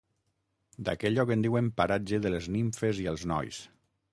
D'aquell lloc en diuen Paratge de les nimfes i els nois.